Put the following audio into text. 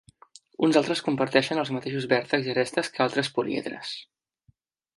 Uns altres comparteixen els mateixos vèrtexs i arestes que altres políedres.